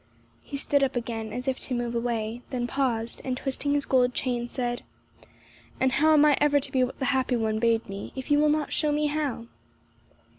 He stood up again, as if to move away; then paused, and, twisting his gold chain, said, "And how am I ever to be what the happy one bade me, if you will not show me how?"